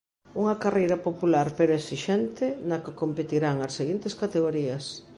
Unha carreira popular, pero esixente, na que competirán as seguintes categorías: